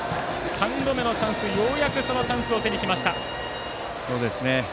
３度目のチャンスでようやくそのチャンスを手にしました。